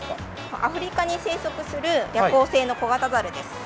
アフリカに生息する夜行性の小型猿です。